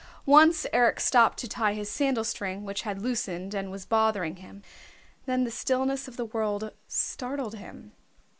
Once Eric stopped to tie his sandal string which had loosened and was bothering him. Then the stillness of the world startled him.